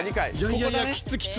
いやいやきつきつ。